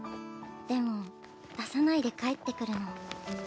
でも出さないで帰って来るの。